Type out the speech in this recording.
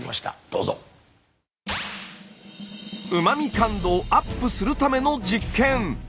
うま味感度をアップするための実験！